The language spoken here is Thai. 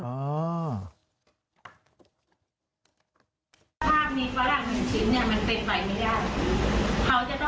อันนี้ไม่ใช่มาถ่ายแค่ถ่ายกับโต๊ะหรืออะไรอย่างนี้